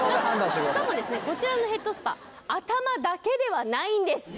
しかもこちらのヘッドスパ頭だけではないんです！